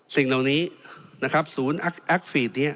สิ่งเหล่านี้นะครับศูนย์แอคฟีดนี้